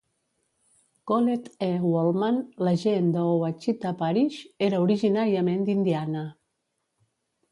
Collett E. Woolman, l"agent d"Ouachita Parish, era originàriament d"Indiana.